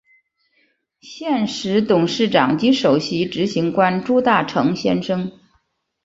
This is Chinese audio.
现时董事长及首席执行官朱大成先生。